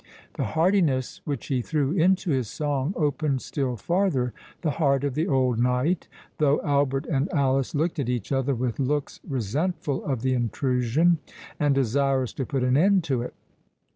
The heartiness which he threw into his song opened still farther the heart of the old knight, though Albert and Alice looked at each other with looks resentful of the intrusion, and desirous to put an end to it.